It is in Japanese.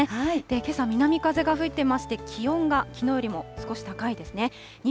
けさ、南風が吹いていまして、気温がきのうよりも少し高いですね。